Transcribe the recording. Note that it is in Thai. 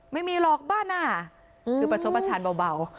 ไม่มีหรอกบ้านอ่ะคือประชดประชันเบา